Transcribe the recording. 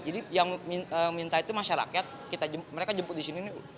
jadi yang minta itu masyarakat mereka jemput disini